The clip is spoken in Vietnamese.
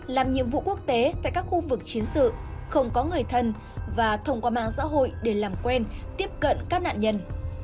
làm nhiệm vụ quốc tế tại các khu vực chiến sự không có người thân và thông qua mạng xã hội để làm quen tiếp cận các nạn nhân